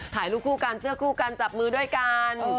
ถ่ายรูปคู่กันเสื้อคู่กันจับมือด้วยกัน